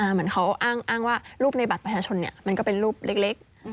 เหมือนเขาอ้างว่ารูปในบัตรประชาชนมันก็เป็นรูปเล็ก